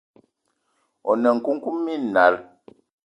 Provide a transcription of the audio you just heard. One nkoukouma minal